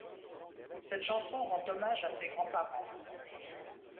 Cette chanson rend hommage à ses grands-parents.